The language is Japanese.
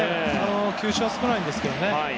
球種は少ないんですけどね。